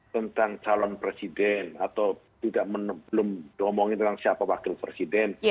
tentang calon presiden atau belum ngomongin tentang siapa wakil presiden